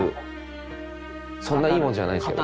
そんないいもんじゃないですけどね。